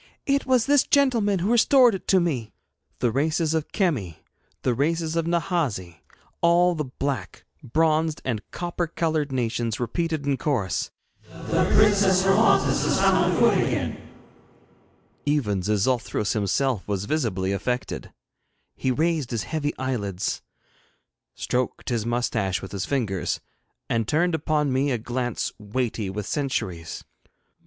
'It was this gentleman who restored it to me.' The races of Kemi, the races of Nahasi all the black, bronzed, and copper coloured nations repeated in chorus: 'The Princess Hermonthis has found her foot again!' Even Xixouthros himself was visibly affected. He raised his heavy eyelids, stroked his moustache with his fingers, and turned upon me a glance weighty with centuries.